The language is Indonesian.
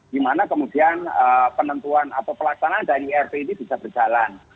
di mana kemudian penentuan atau pelaksanaan dari irp ini bisa berjalan